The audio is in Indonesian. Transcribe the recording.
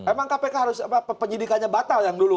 emang kpk harus penyidikannya batal yang dulu